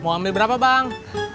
mau ambil berapa bang